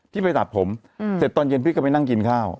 พี่ไปตัดผมเสร็จตอนเย็นพี่ก็ไปนั่งกินข้าว